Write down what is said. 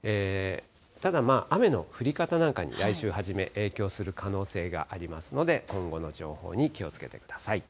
ただ、雨の降り方なんかに来週初め、影響する可能性がありますので、今後の情報に気をつけてください。